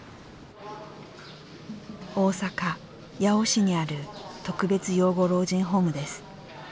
大阪・八尾市にある特別養護老人ホームです。